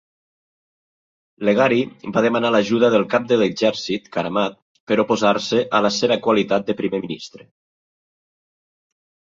Leghari va demanar l'ajuda del cap de l'exèrcit, Karamat, per oposar-se a la seva qualitat de Primer Ministre.